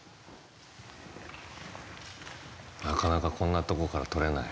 なかなかこんなとこから撮れない。